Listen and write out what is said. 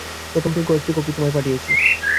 প্রথমটির কয়েক কপি তোমায় পাঠয়েছি।